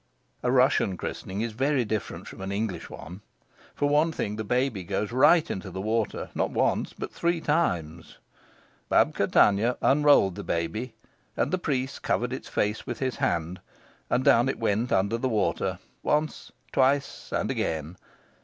A Russian christening is very different from an English one. For one thing, the baby goes right into the water, not once, but three times. Babka Tanya unrolled the baby, and the priest covered its face with his hand, and down it went under the water, once, twice, and again.